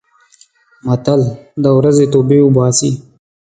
متل: د ورځې توبې اوباسي.